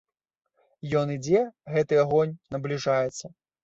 Ён ідзе, гэты агонь, набліжаецца.